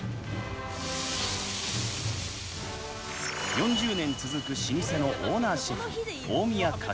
４０年続く老舗のオーナーシェフ大宮勝雄。